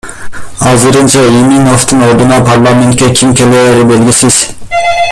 Азырынча Иминовдун ордуна парламентке ким клээри белгисиз.